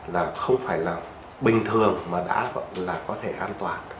là không phải là bình thường mà đã gọi là có thể an toàn